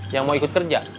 yang mau ikut kerja